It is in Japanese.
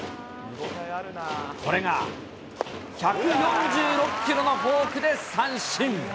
これが１４６キロのフォークで三振。